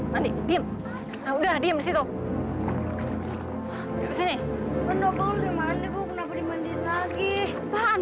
hai bim bim bim situ mandi mandi di sini